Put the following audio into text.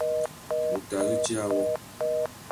Ngu tà zu djï awô.